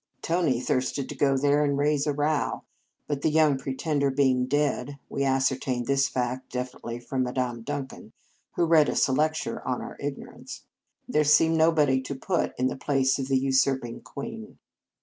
Tony thirsted to go there and raise a row; but the young Pretender being dead (we ascertained this fact definitely from Madame Duncan, who read us a lecture on our ignorance), there seemed nobody to put in the place of the usurping queen.